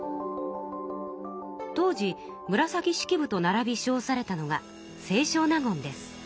当時紫式部とならびしょうされたのが清少納言です。